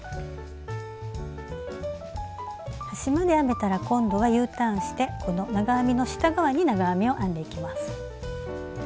端まで編めたら今度はＵターンしてこの長編みの下側に長編みを編んでいきます。